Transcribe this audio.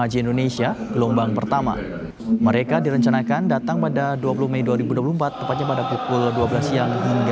haji indonesia gelombang pertama mereka direncanakan datang pada dua puluh mei dua ribu dua puluh empat tepatnya pada pukul dua belas siang hingga